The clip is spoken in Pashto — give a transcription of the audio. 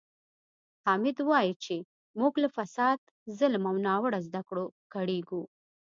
حامد وایي چې موږ له فساد، ظلم او ناوړه زده کړو کړېږو.